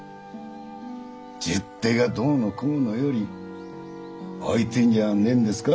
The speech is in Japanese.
十手がどうのこうのより会いてえんじゃねえんですか？